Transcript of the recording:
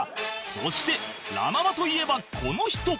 そしてラ・ママといえばこの人